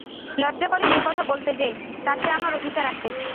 লজ্জা করে এ কথা বলতে যে, তাতে আমার অধিকার আছে।